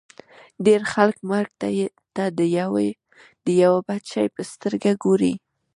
ډېر خلک مرګ ته د یوه بد شي په سترګه ګوري